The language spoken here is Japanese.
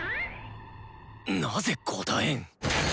なぜ答えん？